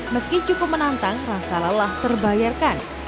meski cukup menantang rasa lelah terbayarkan